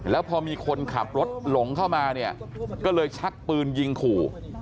แล้วพอมีคนขับรถหลงเข้ามาเนี่ยก็เลยชักปืนยิงขู่